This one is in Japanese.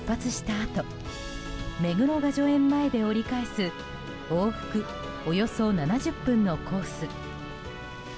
あと目黒雅叙園前で折り返す往復およそ７０分のコース。